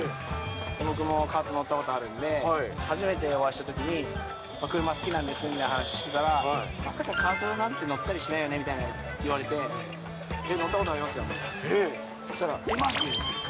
僕もカート乗ったことあるんで、初めてお会いしたときに、車好きなんですみたいな話してたら、まさかカートなんて乗ったりしないよねみたいに言われて、乗ったことありますよとそうしたら、えっ、まじって。